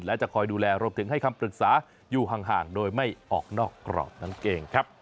และจะคอยดูแลรวมถึงให้คำปรึกษาอยู่ห่างโดยไม่ออกนอกกรอบนั่นเองครับ